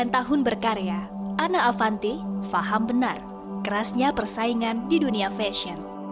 sembilan tahun berkarya ana avanti faham benar kerasnya persaingan di dunia fashion